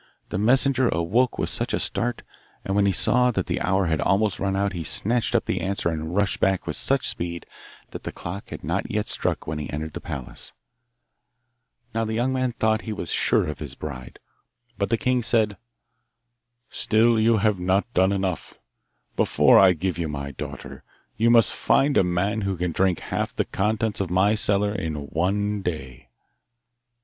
The messenger awoke with such a start, and when he saw that the hour had almost run out he snatched up the answer and rushed back with such speed that the clock had not yet struck when he entered the palace. Now the young man thought he was sure of his bride, but the king said, "Still you have not done enough. Before I give you my daughter you must find a man who can drink half the contents of my cellar in one day.